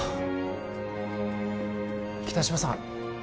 北芝さん